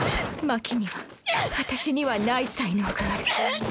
真希には私にはない才能がある。